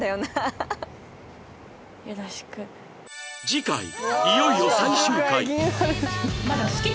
次回いよいよ最終回